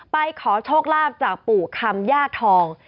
ไปขอโชคลาภจากปู่คำย่าทอง